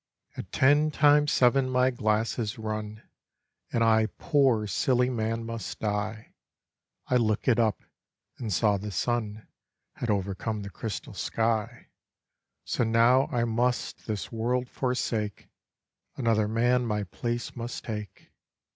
At ten times seven my glass is run, And I poor silly man must die; I lookèd up, and saw the sun Had overcome the crystal sky. So now I must this world forsake, Another man my place must take.